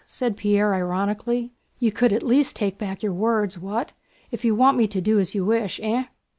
said Pierre ironically. "You could at least take back your words. What? If you want me to do as you wish, eh?"